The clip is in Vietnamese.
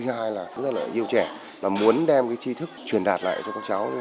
thứ hai là rất là yêu trẻ là muốn đem cái chi thức truyền đạt lại cho các cháu